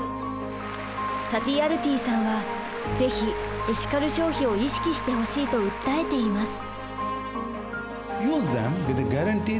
サティヤルティさんは是非エシカル消費を意識してほしいと訴えています。